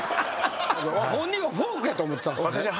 本人はフォークやと思ってたんすね。